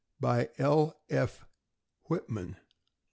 BY L. F. WHITMAN.